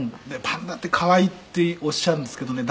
「“パンダって可愛い”っておっしゃるんですけどね